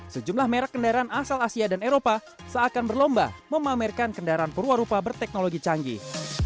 sejumlah merek kendaraan asal asia dan eropa seakan berlomba memamerkan kendaraan perwarupa berteknologi canggih